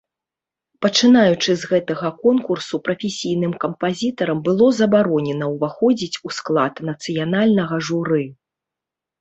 Пачынаючы з гэтага конкурсу, прафесійным кампазітарам было забаронена ўваходзіць у склад нацыянальнага журы.